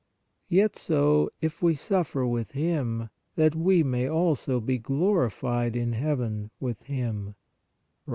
"Yet so, if we suffer with Him, that we may also be glorified (in heaven) with Him" (Rom.